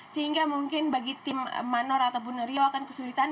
sehingga mungkin bagi tim manor ataupun rio akan kesulitan